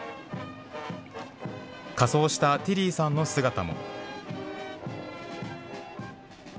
仮装したティリーさんの姿も。